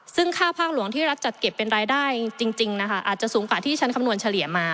ซึ่งค่าภาคหลวงที่รัฐจัดเก็บเป็นรายได้จริงนะคะอาจจะสูงกว่าที่ฉันคำนวณเฉลี่ยมา